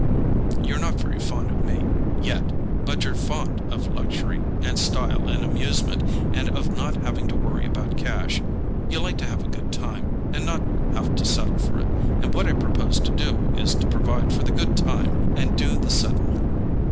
You're not very fond of me—YET—but you're fond of luxury, and style, and amusement, and of not having to worry about cash. You like to have a good time, and not have to settle for it; and what I propose to do is to provide for the good time and do the settling."